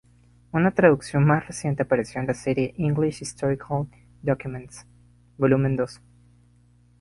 Una traducción más reciente apareció en la serie "English Historical Documents" volumen ii.